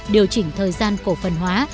điều chỉnh thời gian cổ phần hóa